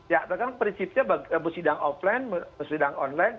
ya karena prinsipnya sidang offline sidang online